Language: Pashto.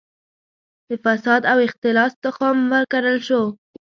د فساد او اختلاس تخم وکرل شو.